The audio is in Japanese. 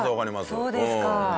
そうですか。